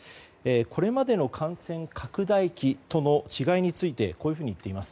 これまでの感染拡大期との違いについてこういうふうに言っています。